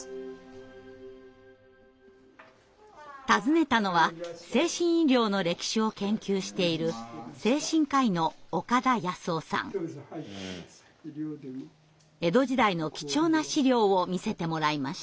訪ねたのは精神医療の歴史を研究している江戸時代の貴重な資料を見せてもらいました。